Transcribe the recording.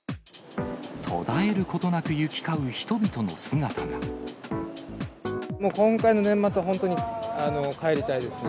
途絶えることなく行き交う人今度の年末は本当に帰りたいです。